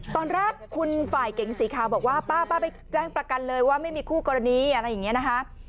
ตอนแรกคุณฝ่ายเก๋งสีขาวบอกว่าป้าไปแจ้งประกันเลยว่าไม่มีคู่กรณีอะไรอย่างนี้นะคะ